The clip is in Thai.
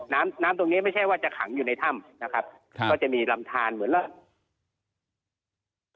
น้ำน้ำตรงนี้ไม่ใช่ว่าจะขังอยู่ในถ้ำนะครับก็จะมีลำทานเหมือนแล้ว